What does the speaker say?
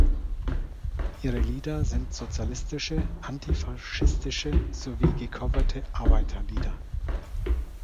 Ihre Lieder sind sozialistische, antifaschistische sowie gecoverte Arbeiterlieder.